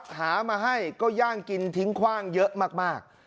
หามาให้ก็ย่างกินทิ้งคว่างเยอะมาก